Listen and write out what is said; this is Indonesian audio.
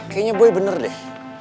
kayaknya boy bener deh